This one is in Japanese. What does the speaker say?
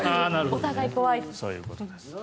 お互い怖いと。